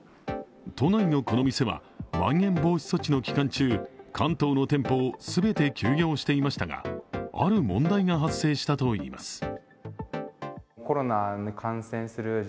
都内のこの店は、まん延防止措置の期間中、関東の店舗を全て休業していましたがある問題が発生したといいます。